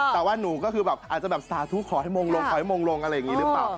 แต่ว่าหนูก็คือแบบอาจจะแบบสาธุขอให้มงลงขอให้มงลงอะไรอย่างนี้หรือเปล่า